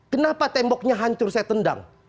kenapa temboknya hancur saya tendang